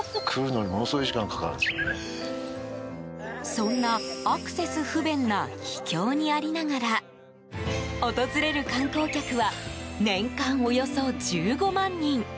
そんなアクセス不便な秘境にありながら訪れる観光客は年間およそ１５万人。